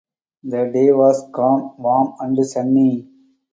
The day was calm, warm and sunny.